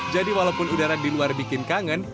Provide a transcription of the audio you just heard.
jadi walaupun udara di luar bikin kangen